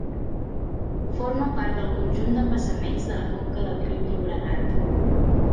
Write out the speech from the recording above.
Forma part del conjunt d'embassaments de la conca del riu Llobregat.